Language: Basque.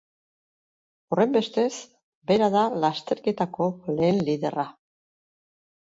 Horrenbestez, bera da lasterketako lehen liderra.